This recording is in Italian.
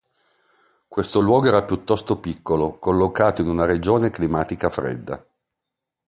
Questo luogo era piuttosto piccolo collocato in una regione climatica fredda.